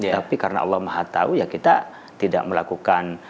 tapi karena allah maha tahu ya kita tidak melakukan